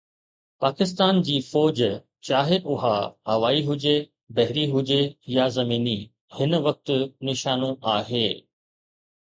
پاڪستان جي فوج، چاهي اها هوائي هجي، بحري هجي يا زميني، هن وقت نشانو آهي.